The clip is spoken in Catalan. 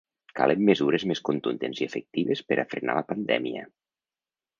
Calen mesures més contundents i efectives per a frenar la pandèmia!